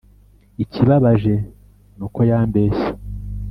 Ikibabaje nukoyambeshye.